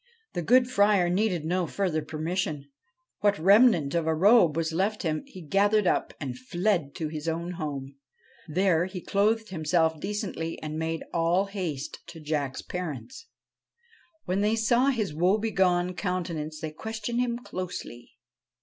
The good Friar needed no further permission. What remnant of a robe was left him he gathered up, and fled to his own home. There he clothed himself decently and made all haste to Jack's parents. When they saw his woebegone countenance they questioned him closely.